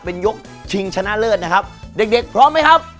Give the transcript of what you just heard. เป็นยกชิงชนะเลิศนะครับเด็กเด็กพร้อมไหมครับ